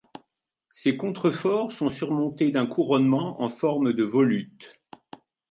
Ces contreforts sont surmontés d'un couronnement en forme de volute.